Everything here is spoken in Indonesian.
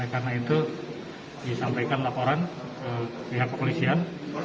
karena itu disampaikan laporan ke pihak kepolisian